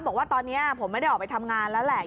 บอกว่าตอนนี้ผมไม่ได้ออกไปทำงานแล้วแหละ